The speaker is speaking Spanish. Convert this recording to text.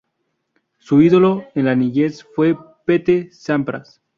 Su ídolo en la niñez fue Pete Sampras.